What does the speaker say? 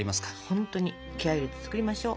ほんとに気合入れて作りましょう。